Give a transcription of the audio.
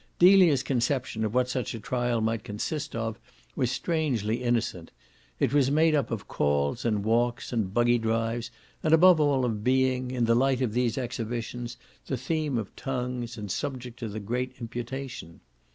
Delia's conception of what such a trial might consist of was strangely innocent: it was made up of calls and walks and buggy drives, and above all of being, in the light of these exhibitions, the theme of tongues and subject to the great imputation.